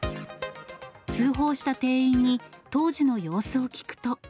通報した店員に当時の様子を聞くと。